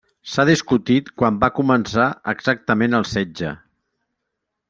S'ha discutit quan va començar exactament el setge.